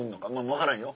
分からんよ